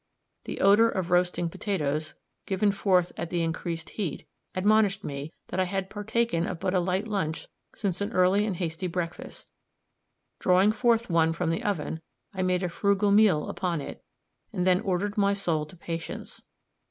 The odor of roasting potatoes, given forth at the increased heat, admonished me that I had partaken of but a light lunch since an early and hasty breakfast; drawing forth one from the oven, I made a frugal meal upon it, and then ordered my soul to patience.